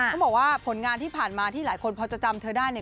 เขาบอกว่าผลงานที่ผ่านมาที่หลายคนพอจะจำเธอได้เนี่ย